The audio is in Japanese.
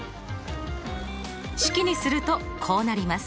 式にするとこうなります。